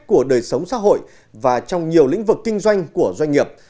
của đời sống xã hội và trong nhiều lĩnh vực kinh doanh của doanh nghiệp